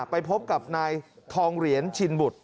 ไปพบกับนายทองเหรียญชินบุตร